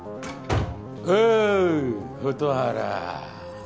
・おう蛍原。